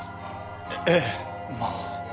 ええまあ。